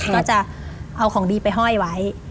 ก็จะเอาของดีไปห้อยไว้